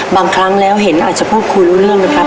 บางครั้งแล้วเห็นอาจจะพูดคุยรู้เรื่องนะครับ